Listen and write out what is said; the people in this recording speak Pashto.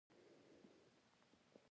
هرات د ټولو افغانانو ژوند اغېزمن کوي.